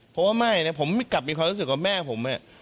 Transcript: เพราะว่าไม่นะผมกลับมีความรู้สึกว่าแม่ผม